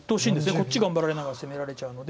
こっち頑張られながら攻められちゃうので。